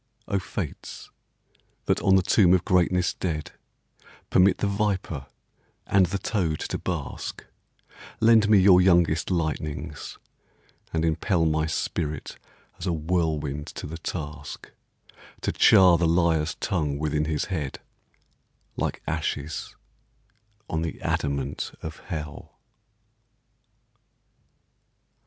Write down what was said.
O Fates that on the tomb of greatness dead Permit the viper and the toad to bask, Lend me your youngest lightnings, and impel My spirit as a whirlwind to the task To char the liar's tongue within his head — Like ashes on the adamant of Hell!